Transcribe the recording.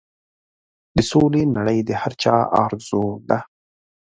د سولې نړۍ د هر چا ارزو ده.